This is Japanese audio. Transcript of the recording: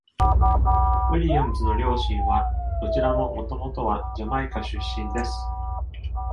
ウィリアムズの両親は、どちらも元々はジャマイカ出身です。